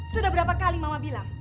sudah berapa kali mama bilang